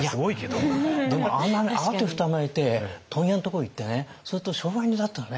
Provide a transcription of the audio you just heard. でもあんなに慌てふためいて問屋のとこ行ってねそうすると商売人だったらね